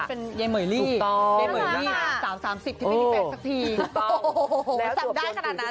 เป็นเยเมยรี่สาว๓๐ที่ไม่มีแฟนสักทีโอ้โหสั่งได้ขนาดนั้น